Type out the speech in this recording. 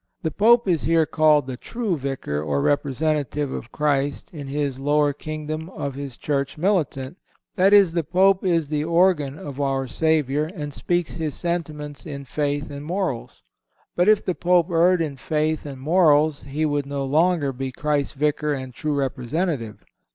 The Pope is here called the true Vicar or representative of Christ in this lower kingdom of His Church militant—that is, the Pope is the organ of our Savior, and speaks His sentiments in faith and morals. But if the Pope erred in faith and morals he would no longer be Christ's Vicar and true representative.